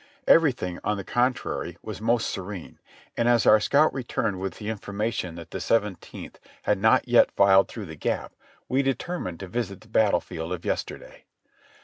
Everything, on the contrary, was Tnost serene; and as our scout returned with the information that 244 JOHNNY re;b and billy yank the Seventeenth had not yet filed through the Gap, we deter mined to visit the battle field of yesterday.